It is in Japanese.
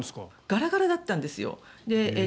ガラガラだったんです。